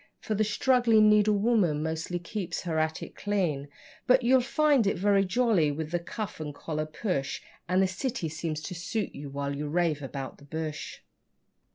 For the struggling needlewoman mostly keeps her attic clean.) But you'll find it very jolly with the cuff and collar push, And the city seems to suit you, while you rave about the bush.